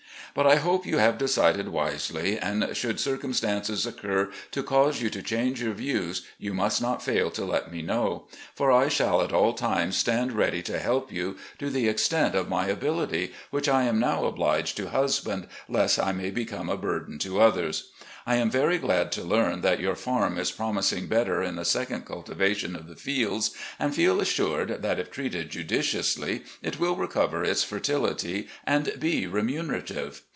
But I hope you have decided wisely, and should circumstances occur to cause you to change your views, you must not fail to let me know; for I shall at all times stand ready to help you to the extent of my ability, which I am now obliged to husband, lest I may become a burden to others. I am very glad to learn that your farm is promising better in the second cultivation of the fields, and feel assured that if treated judiciously it will recover its fertility and be remunerative.